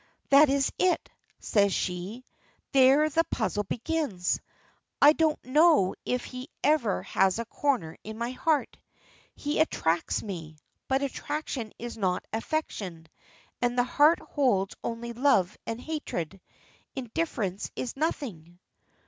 "That is it," says she, "there the puzzle begins. I don't know if he ever has a corner in my heart. He attracts me, but attraction is not affection, and the heart holds only love and hatred. Indifference is nothing."